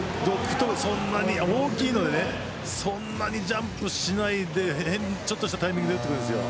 大きいのでそんなにジャンプしないでちょっとしたタイミングで打ってくるんですよ。